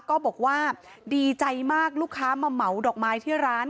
ก็บอกว่าดีใจมากลูกค้ามาเหมาดอกไม้ที่ร้าน